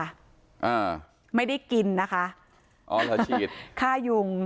อ่าไม่ได้กินนะคะอ๋อถ้าฉีดค่ายุง